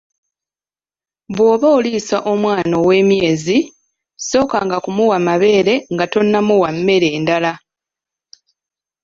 Bw'oba oliisa omwana ow'emyezi , sookanga kumuwa mabeere nga tonnamuwa mmere ndala.